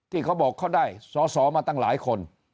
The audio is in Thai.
ที่เขาบอกเขาได้สอสอมาตั้งหลายคน